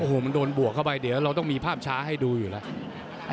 โอ้โหมันโดนบวกเข้าไปเดี๋ยวเราต้องมีภาพช้าให้ดูอยู่แล้ว